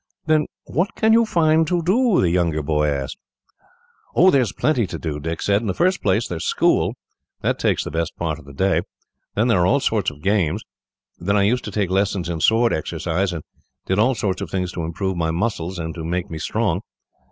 "Then what can you find to do?" the younger boy asked. "Oh, there is plenty to do," Dick said. "In the first place, there is school. That takes the best part of the day. Then there are all sorts of games. Then I used to take lessons in sword exercise, and did all sorts of things to improve my muscles, and to make me strong.